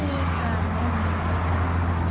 ใช่ค่ะ